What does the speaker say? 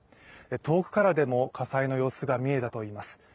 遠くからでも火災の様子が見えたといいます。